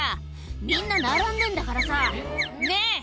みんな並んでんだからさねぇ」